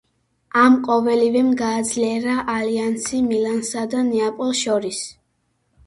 ამ ყოველივემ გააძლიერა ალიანსი მილანსა და ნეაპოლს შორის.